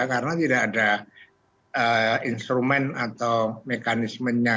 karena tidak ada instrumen atau mekanismenya